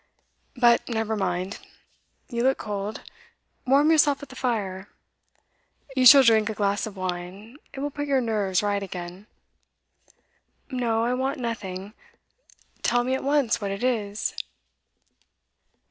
But never mind. You look cold; warm yourself at the fire. You shall drink a glass of wine; it will put your nerves right again.' 'No, I want nothing. Tell me at once what it is.